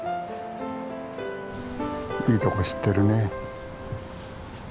いいとこ知ってるね。